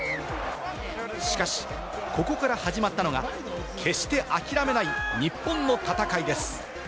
しかし、ここから始まったのが、決して諦めない日本の戦いです。